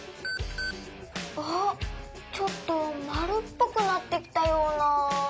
あっちょっとまるっぽくなってきたような。